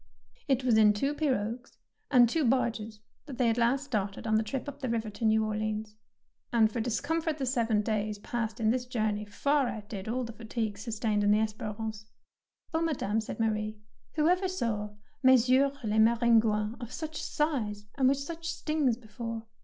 It was in two pirogues and two barges that they at last started on the trip up the river to New Orleans, and for discomfort the seven days passed in this journey far outdid all the fatigues sustained in the " Esp^rance." "Oh, Madame," said Marie, "who ever saw ' Messieurs les Maringouins ' of such size and with such stings before